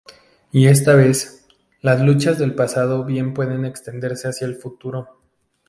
Y esta vez, las luchas del pasado bien pueden extenderse hacia el futuro...